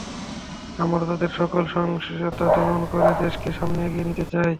আমরা তাদের সকল সহিংসতা দমন করে দেশকে সামনে এগিয়ে নিতে চাই।